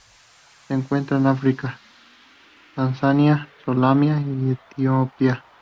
Se encuentran en África: Tanzania, Somalia y Etiopía.